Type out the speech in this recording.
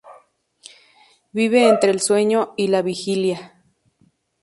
Vive entre el sueño y la vigilia.